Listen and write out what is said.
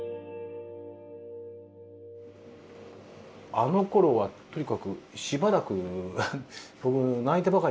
あのころはとにかくしばらく僕泣いてばかりだったんで。